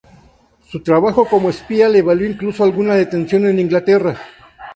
Su trabajo como espía le valió incluso alguna detención en Inglaterra.